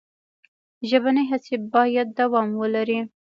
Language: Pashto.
ژبنۍ هڅې باید دوام ولري.